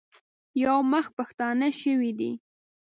یو مخ پښتانه شوي دي.